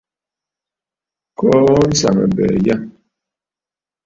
Kɔɔ nsaŋabɛ̀ɛ yâ.